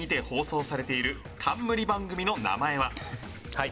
はい